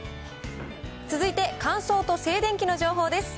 続いて乾燥と静電気の情報です。